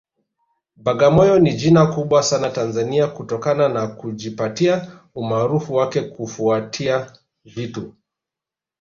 Bagamoyo ni jina kubwa sana Tanzania kutokana na kujipatia umaarufu wake kufuatia vitu